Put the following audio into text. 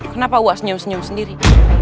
kenapa uas senyum senyum sendiri